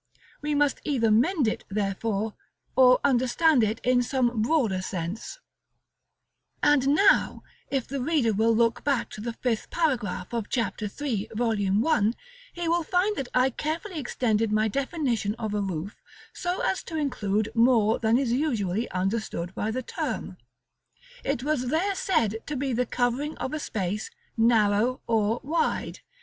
We must either mend it, therefore, or understand it in some broader sense. [Illustration: Fig. VIII.] § LXXXV. And now, if the reader will look back to the fifth paragraph of Chap. III. Vol. I., he will find that I carefully extended my definition of a roof so as to include more than is usually understood by the term. It was there said to be the covering of a space, narrow or wide.